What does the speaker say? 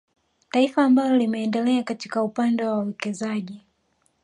Taifa amabalo limeendelea katika upande wa uwekezaji